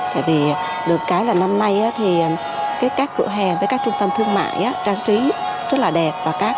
tại vì được cái là năm nay thì các cửa hàng với các trung tâm thương mại trang trí rất là đẹp